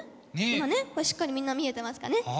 今ねしっかりみんな見えてますかね。